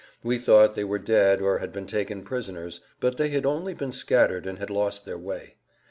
We thought they were dead or had been taken prisoners, but they had only been scattered and had lost their way.